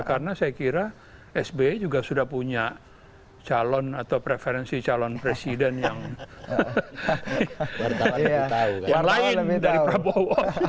karena saya kira sby juga sudah punya calon atau preferensi calon presiden yang lain dari prabowo